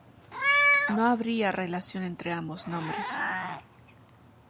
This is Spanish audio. No habría relación entre ambos nombres.